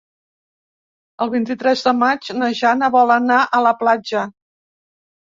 El vint-i-tres de maig na Jana vol anar a la platja.